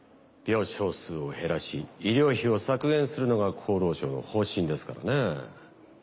病床数を減らし医療費を削減するのが厚労省の方針ですからねぇ。